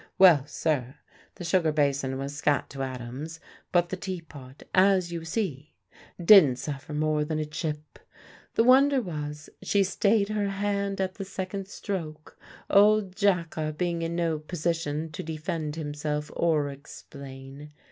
Well, sir, the sugar basin was scat to atoms, but the teapot, as you see, didn' suffer more than a chip. The wonder was, she stayed her hand at the second stroke, old Jacka being in no position to defend himself or explain.